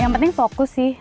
yang penting fokus sih